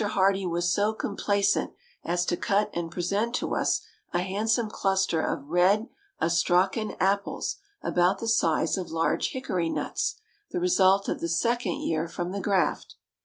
Hardee was so complaisant as to cut and present to us a handsome cluster of red Astrachan apples about the size of large hickory nuts, the result of the second year from the graft.